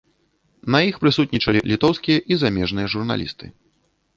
На іх прысутнічалі літоўскія і замежныя журналісты.